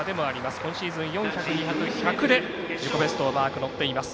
今シーズン４００、２００、１００で自己ベストをマーク乗っています。